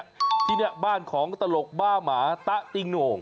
ยังบ้านของตาหลกบ้าหมาต๊ะติงน่วง